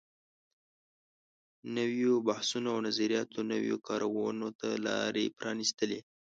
نويو بحثونو او نظریاتو نویو کارونو ته لارې پرانیستلې.